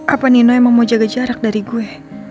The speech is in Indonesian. apa nino yang mau jaga jarak dari gue